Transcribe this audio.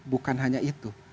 bukan hanya itu